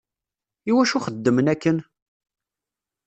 Iwacu xeddmen akken?